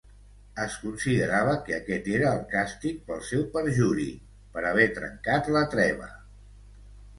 Es considerava que aquest era el càstig pel seu perjuri, per haver trencat la treva.